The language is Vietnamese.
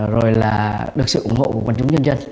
rồi là được sự ủng hộ của quần chúng nhân dân